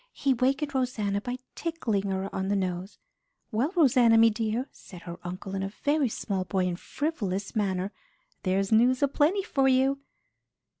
He wakened Rosanna by tickling her on the nose. "Well, Rosanna, me dear," said her uncle in a very small boy and frivolous manner, "there's news a plenty for you."